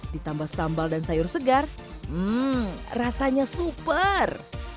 ditambah sambal dan sayur segar rasanya super